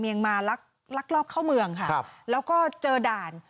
มาลักลักลอบเข้าเมืองค่ะครับแล้วก็เจอด่าน